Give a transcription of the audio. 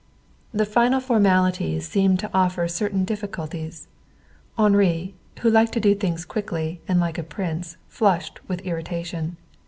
The final formalities seemed to offer certain difficulties. Henri, who liked to do things quickly and like a prince, flushed with irritation.